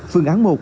phương án một